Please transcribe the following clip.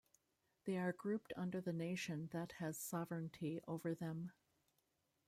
They are grouped under the nation that has sovereignty over them.